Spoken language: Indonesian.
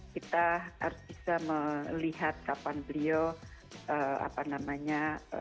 kita harus bisa melihat kapan beliau apa namanya